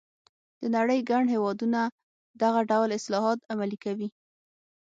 د نړۍ ګڼ هېوادونه دغه ډول اصلاحات عملي کوي.